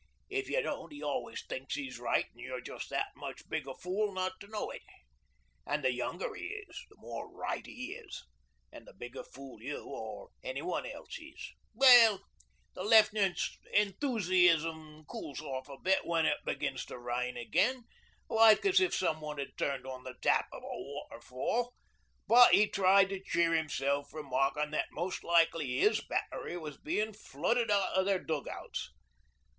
If you don't, 'e always thinks 'e's right an' you're just that much big a fool not to know it. An' the younger 'e is, the more right 'e is, an' the bigger fool you or anyone else is. 'Well, the Left'nant's enthoosy ism cools off a bit when it begins to rain again like as if some one had turned on the tap o' a waterfall, but he tried to cheer himself remarkin' that most likely 'is Battery was bein' flooded out of their dug outs.